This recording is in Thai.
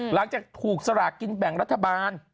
หลังจากถูกสลากกินแบ่งรัฐบาล